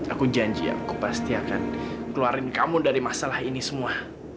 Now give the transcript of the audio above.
aku janji aku pasti akan keluarin kamu dari masalah ini semua